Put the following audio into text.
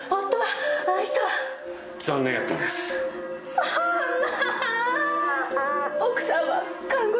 そんな！？